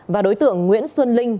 và đối tượng nguyễn xuân linh